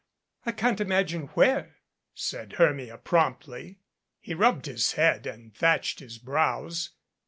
"I can't imagine where," said Hermia promptly. He rubbed his head and thatched his brows.